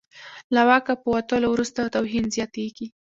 له واکه په وتلو وروسته توهین زیاتېږي.